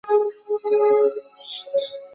对照语言学的特征。